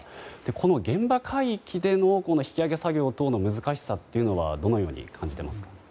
この現場海域での引き揚げ作業等の難しさはどのように感じていますか？